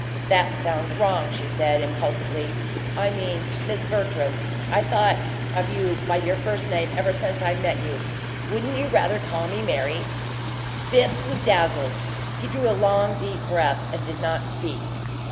"That sounds wrong," she said, impulsively. "I mean 'Miss Vertrees.' I've thought of you by your first name ever since I met you. Wouldn't you rather call me 'Mary'?" Bibbs was dazzled; he drew a long, deep breath and did not speak.